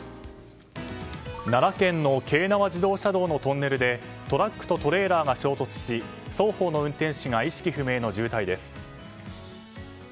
奈良県の京奈和自動車道のトンネルでトラックとトレーラーが衝突し双方の運転手が意識不明の重体です。